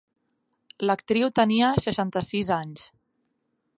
L'actriu tenia seixanta-sis anys.